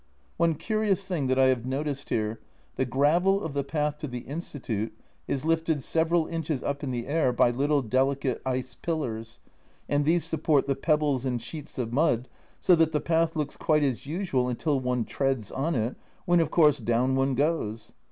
One curious thing that I have noticed here, the gravel of the path to the Institute is lifted several inches up in the air by little delicate ice pillars, and these support the pebbles and sheets of mud so that the path looks quite as usual until one treads on it, when, of course, down one goes.